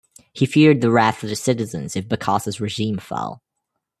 He feared the wrath of the citizens if Bokassa's regime fell.